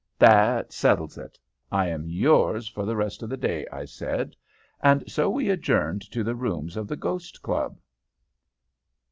"'That settles it. I am yours for the rest of the day,' I said, and so we adjourned to the rooms of the Ghost Club.